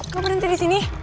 kok berhenti di sini